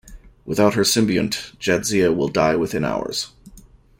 Without her symbiont, Jadzia will die within hours.